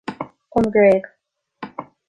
An Ghréig